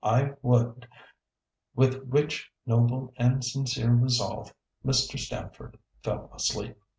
I would— " With which noble and sincere resolve Mr. Stamford fell asleep.